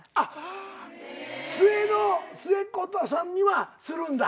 末っ子さんにはするんだ